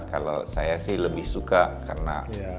kalau saya sih lebih suka karena